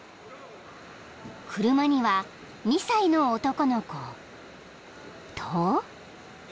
［車には２歳の男の子。と］